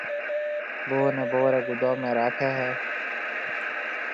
ڀوه نَي ڀوه ريَ گُدوم ۾ راکَي هيَ۔